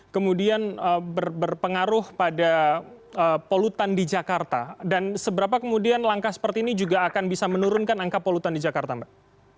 kemudian berpengaruh pada polutan di jakarta dan seberapa kemudian langkah seperti ini juga akan bisa menurunkan angka polutan di jakarta mbak